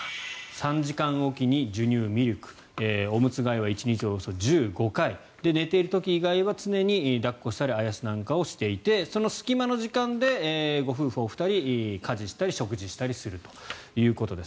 ３時間おきに授乳・ミルクおむつ替えは１日およそ１５回寝ている時以外は常に抱っこしたりあやすなんかをしていてその隙間の時間でご夫婦お二人家事をしたり食事したりするということです。